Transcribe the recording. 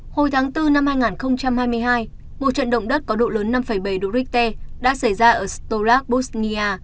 hồi tháng bốn năm hai nghìn hai mươi hai một trận động đất có độ lớn năm bảy đô rích t đã xảy ra ở stolak bosnia